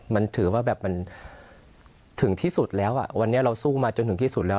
มันถือว่าแบบมันถึงที่สุดแล้วอ่ะวันนี้เราสู้มาจนถึงที่สุดแล้ว